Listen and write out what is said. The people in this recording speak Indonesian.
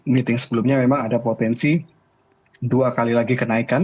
meeting sebelumnya memang ada potensi dua kali lagi kenaikan